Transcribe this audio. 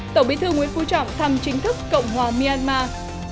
tổng bí thư nguyễn phú trọng thăm chính thức cộng hòa myanmar